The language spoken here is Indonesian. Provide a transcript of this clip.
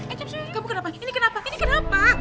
eh cepet kamu kenapa ini kenapa ini kenapa